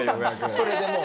それでもう。